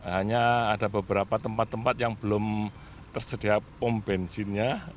hanya ada beberapa tempat tempat yang belum tersedia pom bensinnya